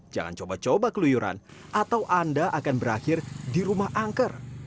jangan coba coba keluyuran atau anda akan berakhir di rumah angker